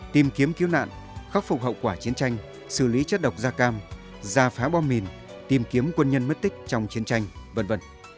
tìm kiếm cứu nạn khắc phục hậu quả chiến tranh xử lý chất độc da cam ra phá bom mìn tìm kiếm quân nhân mất tích trong chiến tranh v v